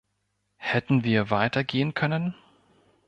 Hätten wir weiter gehen können?